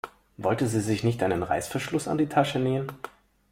Wollte sie sich nicht einen Reißverschluss an die Tasche nähen?